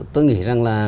tôi nghĩ rằng là